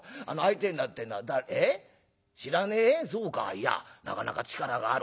いやなかなか力がある。